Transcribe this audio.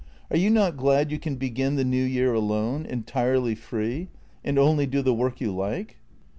Are you not glad you can begin the new year alone, entirely free, and only do the work you like?